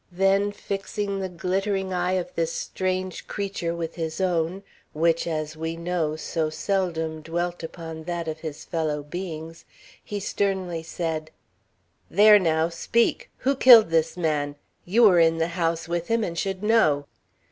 Then, fixing the glittering eye of this strange creature with his own, which, as we know, so seldom dwelt upon that of his fellow beings, he sternly said: "There now! Speak! Who killed this man? You were in the house with him, and should know."